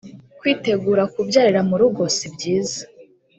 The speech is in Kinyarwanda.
kwitegura kubyarira mu rugo sibyiza